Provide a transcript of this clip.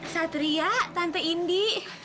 satria tante indi